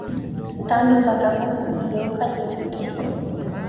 Tando za kamasi kugeuka nyeupe